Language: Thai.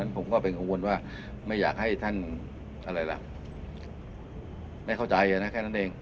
ผมก็เป็นอ่วนว่าไม่อยากให้ท่านไม่เข้าใจนะแค่นั้นเอง